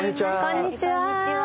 こんにちは。